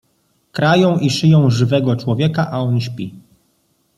Krają i szyją żywego człowieka, a on śpi.